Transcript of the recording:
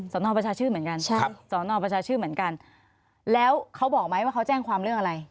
นอประชาชื่นเหมือนกันใช่สอนอประชาชื่นเหมือนกันแล้วเขาบอกไหมว่าเขาแจ้งความเรื่องอะไร